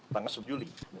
tanggal sebelas juli